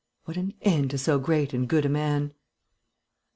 What an end to so great and good a man!